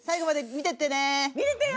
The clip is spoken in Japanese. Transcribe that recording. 見てってよ！